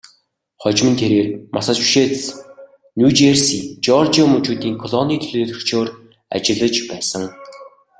Хожим нь тэрээр Массачусетс, Нью Жерси, Жеоржия мужуудын колонийн төлөөлөгчөөр ажиллаж байсан.